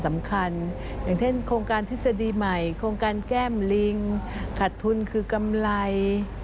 สำคัญอย่างเช่นโครงการทฤษฎีใหม่โครงการแก้มลิงขัดทุนคือกำไร